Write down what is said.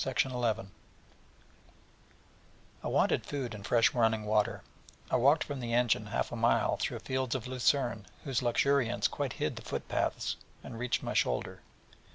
I wanted food and fresh running water, and walked from the engine half a mile through fields of lucerne whose luxuriance quite hid the foot paths, and reached my shoulder.